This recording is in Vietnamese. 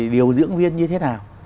điều dưỡng viên như thế nào